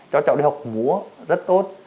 cho cháu đi học múa rất tốt